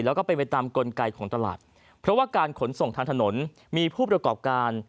แล้วก็เป็นไปตามกลไกของตลาดเพราะว่าการขนส่งทางถนนมีผู้ประกอบการ